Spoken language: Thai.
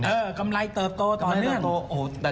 เอ้อหำไรเติบโตต่อแล้ว